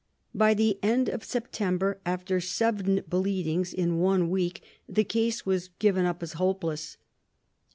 By the end of September, after seven bleedings in one week, the case was given up as hopeless.